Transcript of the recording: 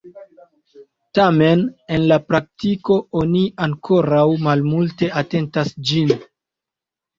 Tamen en la praktiko oni ankoraŭ malmulte atentas ĝin.